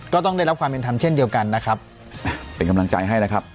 ก็ต้องได้รับความเป็นธรรมเช่นเดียวกันนะครับเป็นกำลังใจให้นะครับ